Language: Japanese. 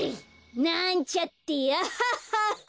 なんちゃってアハハハ！